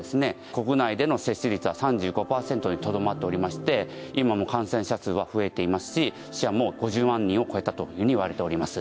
国内での接種率は３５％に留まっておりまして今も感染者数は増えていますし死者も５０万人を超えたというふうに言われております。